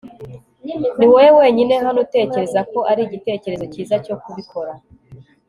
niwowe wenyine hano utekereza ko ari igitekerezo cyiza cyo kubikora